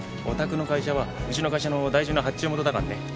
お宅の会社はうちの会社の大事な発注元だかんね。